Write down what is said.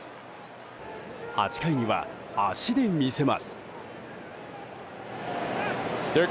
８回には、足で魅せます。